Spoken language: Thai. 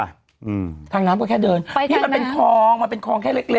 อืมทางน้ำก็แค่เดินไปที่มันเป็นคลองมันเป็นคลองแค่เล็กเล็ก